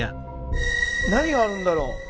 何があるんだろう。